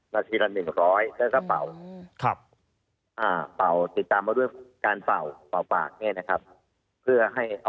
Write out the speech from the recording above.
นาทีละหนึ่งร้อยแล้วก็เป่าครับอ่าเป่าติดตามมาด้วยการเป่า